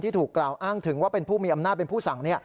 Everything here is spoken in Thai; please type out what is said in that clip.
ถูกกล่าวอ้างถึงว่าเป็นผู้มีอำนาจเป็นผู้สั่ง